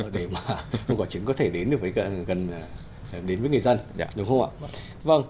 để mà một quả trứng có thể đến với người dân